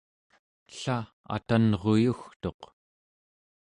ella atanruyugtuq